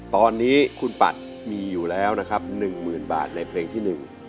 ตอนนี้คุณปัดมีอยู่แล้วนะครับ๑หมื่นบาทในเพลงที่๑